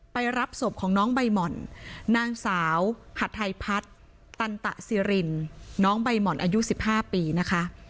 รับศพของน้องใบหม่อนนางสาวหัดไทยพัฒน์ตันตะซีรินน้องใบหม่อนอายุ๑๕ปีนะคะ